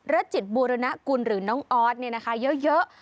รัชจิตบูรณกุลหรือน้องออสเนี่ยนะคะเยอะ